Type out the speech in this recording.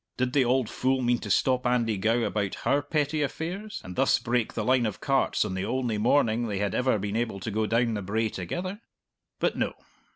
Did the auld fool mean to stop Andy Gow about her petty affairs, and thus break the line of carts on the only morning they had ever been able to go down the brae together? But no.